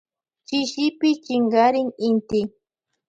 Chishipi chinkarin inti.